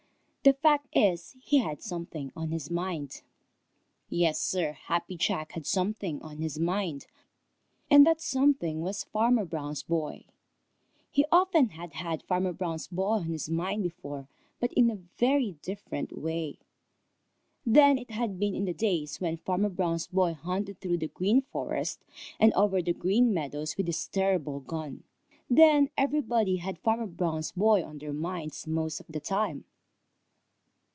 The fact is, he had something on his mind. Yes, Sir, Happy Jack had something on his mind, and that something was Farmer Brown's boy. He often had had Farmer Brown's boy on his mind before, but in a very different way. Then it had been in the days when Farmer Brown's boy hunted through the Green Forest and over the Green Meadows with his terrible gun. Then everybody had Farmer Brown's boy on their minds most of the time.